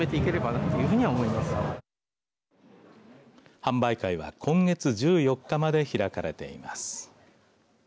販売会は今月１４日まで開かれています。